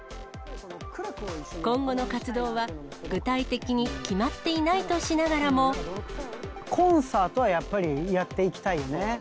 今後の活動は、具体的に決まコンサートはやっぱりやっていきたいよね。